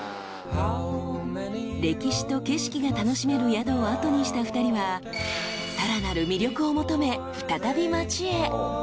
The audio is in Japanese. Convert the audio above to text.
［歴史と景色が楽しめる宿を後にした２人はさらなる魅力を求め再び街へ］